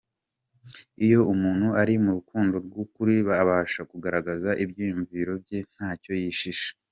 Iyo umuntu ari mu rukundo rw’ukuri abasha kugaragaza ibyiyumviro bye ntacyo yishisha.